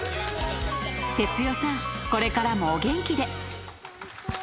哲代さん、これからもお元気で。